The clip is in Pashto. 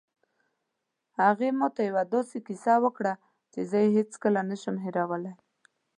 هغې ما ته یوه داسې کیسه وکړه چې زه یې هېڅکله نه شم هیرولی